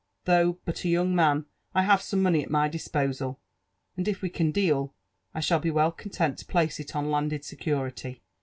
Though but a young man, I have some money at my disposal ; and if we can deal, I shall be well content to place it on landed security.